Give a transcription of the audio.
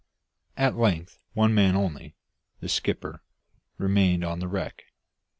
At length one man only the skipper remained on the wreck.